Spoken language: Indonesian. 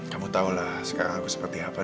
kamu tau lah sekarang aku seperti apa